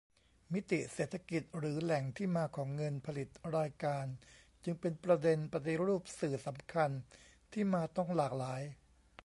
มิติเศรษฐกิจหรือแหล่งที่มาของเงินผลิตรายการจึงเป็นประเด็น ปฏิรูปสื่อ สำคัญ ที่มาต้องหลากหลาย